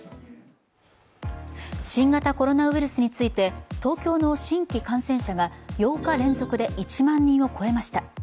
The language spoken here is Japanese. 新型コロナウイルスについて東京の新規感染者が８日連続で１万人を超えました。